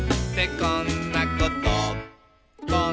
「こんなこと」